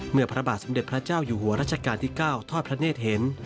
พระบาทสมเด็จพระเจ้าอยู่หัวรัชกาลที่๙ทอดพระเนธเห็น